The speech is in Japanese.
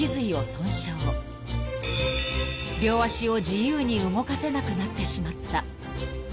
［両足を自由に動かせなくなってしまった］